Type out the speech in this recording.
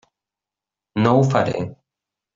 No ho faré.